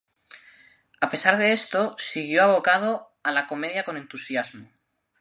A pesar de esto siguió abocado a la comedia con entusiasmo.